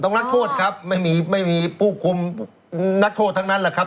นักโทษครับไม่มีไม่มีผู้คุมนักโทษทั้งนั้นแหละครับ